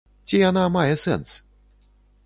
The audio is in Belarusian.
Ці яна мае сэнс?